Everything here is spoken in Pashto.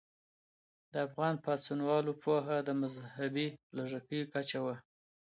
د افغان پاڅونوالو پوهه د مذهبي لږکیو کچه وه.